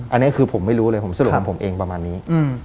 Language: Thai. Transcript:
อันนี้คือผมไม่รู้เลยผมสรุปของผมเองประมาณนี้